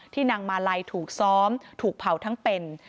นางมาลัยถูกซ้อมถูกเผาทั้งเป็น